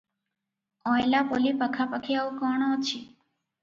ଅଁଏଲାପଲି ପାଖାପାଖି ଆଉ କଣ ଅଛି?